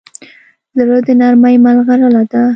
زړه د نرمۍ مرغلره ده.